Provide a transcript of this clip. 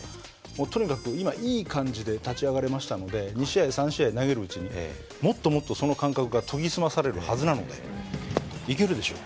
とにかく今いい感じで立ち上がれましたので２試合３試合投げるうちにもっともっとその感覚が研ぎ澄まされるはずなのでいけるでしょう。